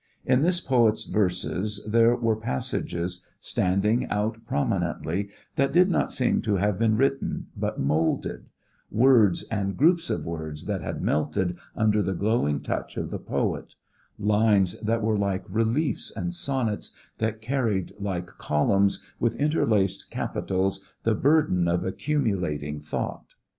In this poet's verses there were passages, standing out prominently, that did not seem to have been written but moulded; words and groups of words that had melted under the glowing touch of the poet; lines that were like reliefs and sonnets that carried like columns with interlaced capitals the burden of a cumulating thought.